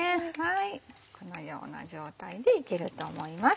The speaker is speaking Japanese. このような状態でいけると思います。